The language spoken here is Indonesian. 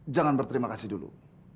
jangan berterima kasih dulu